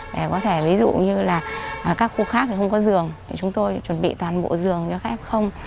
để có thể ví dụ như là các khu khác thì không có giường chúng tôi chuẩn bị toàn bộ giường cho các f